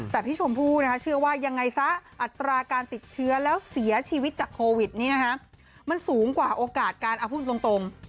แต่พี่ชมพู่เชื่อว่ายังไงซะอัตราการติดเชื้อแล้วเสียชีวิตจากโควิดนี้มันสูงกว่าโอกาสการพูดตรง